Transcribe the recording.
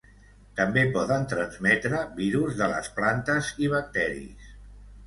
També poden transmetre virus de les plantes i bacteris.